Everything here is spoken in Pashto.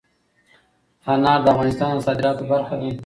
انار د افغانستان د صادراتو برخه ده.